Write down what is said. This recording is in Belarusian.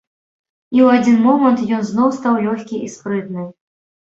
І ў адзін момант ён зноў стаў лёгкі і спрытны.